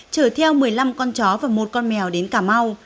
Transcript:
chở theo một mươi năm con chó và một con mèo đến cà mau